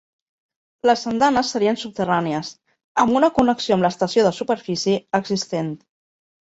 Les andanes serien subterrànies, amb una connexió amb l'estació de superfície existent.